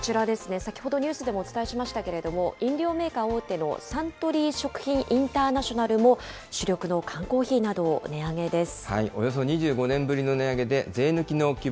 先ほどニュースでもお伝えしましたけれども、飲料メーカー大手のサントリー食品インターナショナルも主力の缶コーヒーなどを値上およそ２５年ぶりの値上げで、税抜きの希望